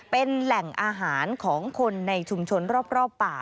เป็นแหล่งอาหารของคนในชุมชนรอบป่า